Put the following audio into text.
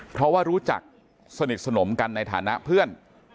เพราะว่ารู้จักสนิทสนมกันในฐานะเพื่อน